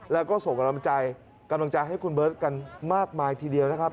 แล้วก็ส่งกำลังใจกำลังใจให้คุณเบิร์ตกันมากมายทีเดียวนะครับ